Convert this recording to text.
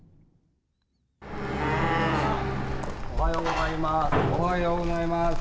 おはようございます。